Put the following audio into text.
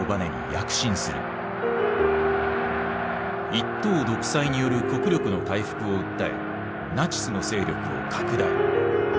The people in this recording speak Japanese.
一党独裁による国力の回復を訴えナチスの勢力を拡大。